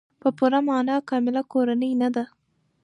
په پوره معنا کامله کورنۍ نه ده.